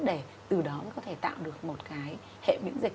để từ đó mới có thể tạo được một cái hệ miễn dịch